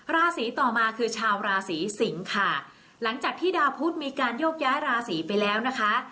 ราศีต่อมาคือชาวราศีสิงค่ะหลังจากที่ดาวพุทธมีการโยกย้ายราศีไปแล้วนะคะ